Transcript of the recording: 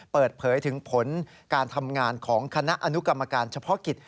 เปิดเผยถึงผลการทำงานของคณะอนุกรรมการเฉพาะกิจ